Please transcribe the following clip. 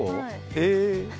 へえ。